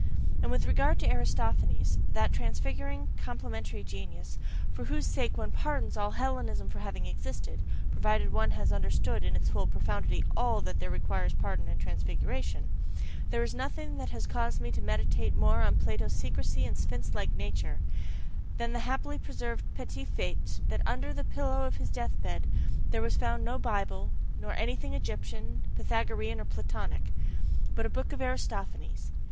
And with regard to Aristophanes that transfiguring, complementary genius, for whose sake one PARDONS all Hellenism for having existed, provided one has understood in its full profundity ALL that there requires pardon and transfiguration; there is nothing that has caused me to meditate more on PLATO'S secrecy and sphinx like nature, than the happily preserved petit fait that under the pillow of his death bed there was found no "Bible," nor anything Egyptian, Pythagorean, or Platonic but a book of Aristophanes.